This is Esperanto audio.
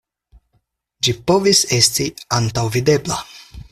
Ĝi povis esti antaŭvidebla.